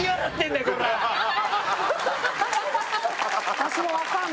私も分かんない。